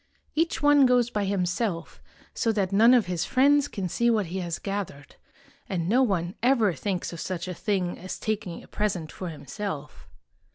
Each one goes by himself, so that none of his friends can see what he has gathered; and no one ever thinks of such a thing as taking a present for himself.